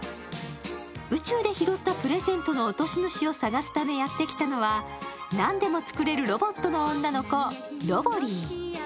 宇宙で拾ったプレゼントの落とし主を探すためやってきたのは、なんでも作れるロボットの女の子ロボリィ。